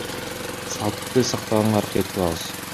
Салтты сактаганга аракет кылабыз.